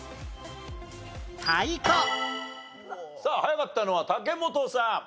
さあ早かったのは武元さん。